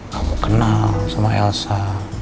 kamu kenal sama elsa